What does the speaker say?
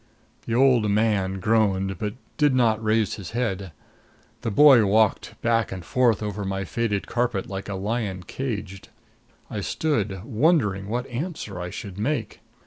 The old man groaned, but did not raise his head. The boy walked back and forth over my faded carpet like a lion caged. I stood wondering what answer I should make.